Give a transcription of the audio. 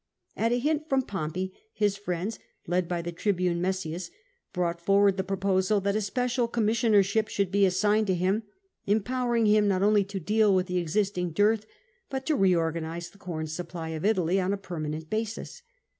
At a hint from Pompey, his friends (led by the tribune Messius) brought forward the proposal that a special commissionership should be assigned to him, em powering him not only to deal with the existing dearth, but to reorganise the corn supply of Italy on a permanent basis.